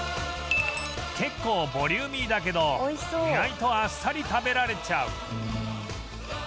結構ボリューミーだけど意外とあっさり食べられちゃう